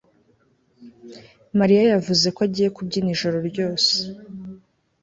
mariya yavuze ko agiye kubyina ijoro ryose